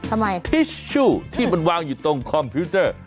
ทำไมทิชชู่ที่มันวางอยู่ตรงคอมพิวเตอร์